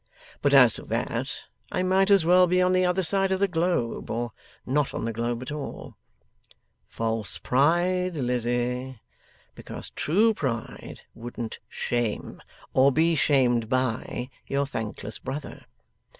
but as to that, I might as well be on the other side of the globe, or not on the globe at all. False pride, Lizzie. Because true pride wouldn't shame, or be shamed by, your thankless brother.